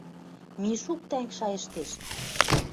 Мишук тӓнг шайыштеш.